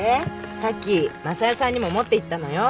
さっき昌代さんにも持っていったのよ。